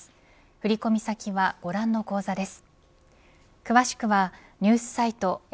振込先はご覧の口座です。